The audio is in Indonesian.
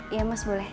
iya mas boleh